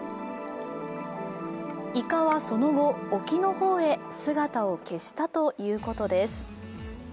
イカはその後、沖の方へ姿を消したということです。